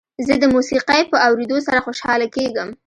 زه د موسیقۍ په اورېدو سره خوشحاله کېږم.